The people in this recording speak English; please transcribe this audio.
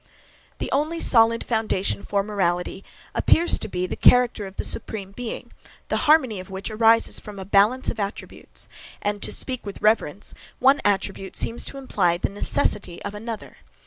The only solid foundation for morality appears to be the character of the Supreme Being; the harmony of which arises from a balance of attributes; and, to speak with reverence, one attribute seems to imply the NECESSITY of another.